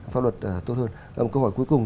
pháp luật tốt hơn câu hỏi cuối cùng